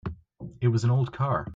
It was an old car.